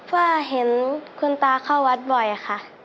ว่าเห็นคุณตาเข้าวัดบ่อยค่ะ